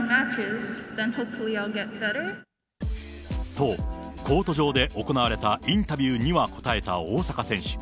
と、コート上で行われたインタビューには答えた大坂選手。